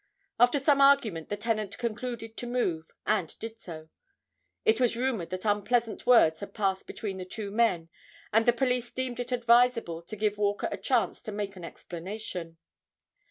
After some argument the tenant concluded to move and did so. It was rumored that unpleasant words had passed between the two men and the police deemed it advisable to give Walker a chance to make an explanation.